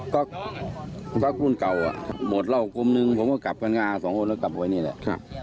ก็พระคุณเก่าหมดเหล้ากลุ่มนึงผมก็กลับกันงาสองคนแล้วกลับไว้นี่แหละ